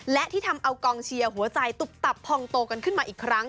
และที่ทำเอากองเชียร์หัวใจตุบตับพองโตกันขึ้นมาอีกครั้ง